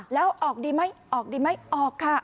แล้วออกดีไหมออกดีไหมออกค่ะ